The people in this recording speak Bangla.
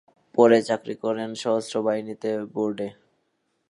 পরে চাকরি করেন সশস্ত্র বাহিনী বোর্ডে।